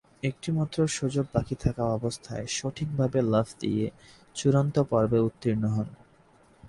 একটিমাত্র সুযোগ বাকী থাকা অবস্থায় সঠিকভাবে লাফ দিয়ে চূড়ান্ত-পর্বে উত্তীর্ণ হন।